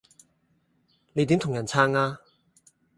你點同人撐呀